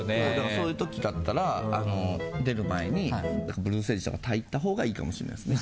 そういう時だったら出る前にブルーセージとかをたいたほうがいいかもしれないっすね。